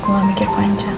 kamu mikir panjang